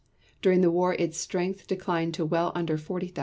During the war its strength declined to well under 40,000.